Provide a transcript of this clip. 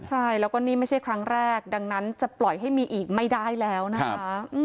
ใช่แล้วก็นี่ไม่ใช่ครั้งแรกดังนั้นจะปล่อยให้มีอีกไม่ได้แล้วนะคะ